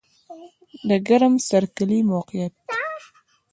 د ګرم سر کلی موقعیت